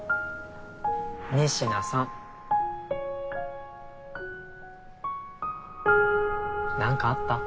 仁科さん何かあった？